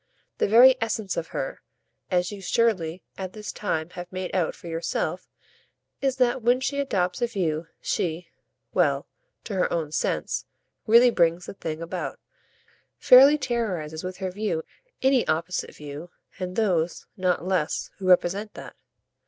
The very essence of her, as you surely by this time have made out for yourself, is that when she adopts a view she well, to her own sense, really brings the thing about, fairly terrorises with her view any other, any opposite view, and those, not less, who represent that.